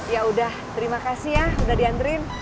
yaudah terima kasih ya udah diantrin